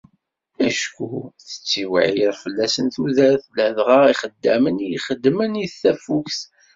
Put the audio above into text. Acku tettiwεir fell-asen tudert, ladɣa ixeddamen i ixeddmen i tafukt.